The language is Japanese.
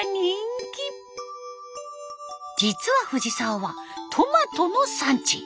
実は藤沢はトマトの産地。